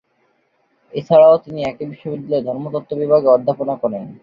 এছাড়াও তিনি একই বিশ্ববিদ্যালয়ের ধর্মতত্ত্ব বিভাগে অধ্যাপনা করেন।